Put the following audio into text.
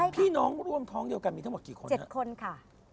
พี่น้องร่วมท้องเดียวกันมีทั้งหมดกี่คน๗คนค่ะ